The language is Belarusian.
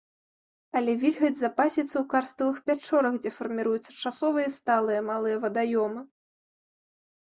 Але вільгаць запасіцца ў карставых пячорах, дзе фарміруюцца часовыя і сталыя малыя вадаёмы.